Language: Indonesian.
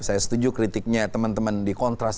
saya setuju kritiknya teman teman di kontras